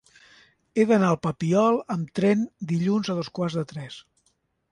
He d'anar al Papiol amb tren dilluns a dos quarts de tres.